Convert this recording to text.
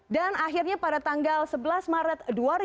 dan akhirnya pada tanggal sebelas maret dua ribu dua puluh